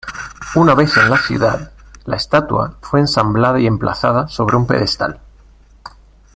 Una vez en la ciudad, la estatua fue ensamblada y emplazada sobre un pedestal.